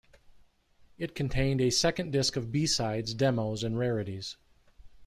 It contained a second disc of B-sides, demos and rarities.